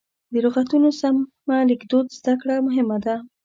د لغتونو سمه لیکدود زده کړه مهمه ده.